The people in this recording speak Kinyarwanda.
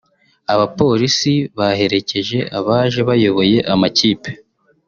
Abapolisi baherekeje abaje bayoboye amakipe